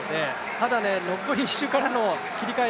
ただね、残り１周からの切り替え